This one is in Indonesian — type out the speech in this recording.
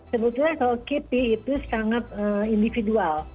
sebetulnya kalau kipi itu sangat individual